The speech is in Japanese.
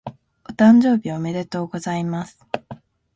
お誕生日おめでとうございます。